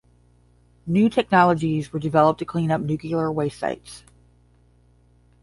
New technologies were developed to clean up nuclear waste sites.